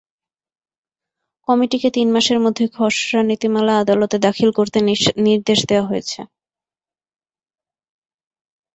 কমিটিকে তিন মাসের মধ্যে খসড়া নীতিমালা আদালতে দাখিল করতে নির্দেশ দেওয়া হয়েছে।